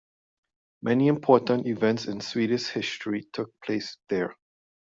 Many important events in Swedish history took place there.